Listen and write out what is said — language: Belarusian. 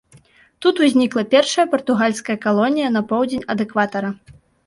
Тут узнікла першая партугальская калонія на поўдзень ад экватара.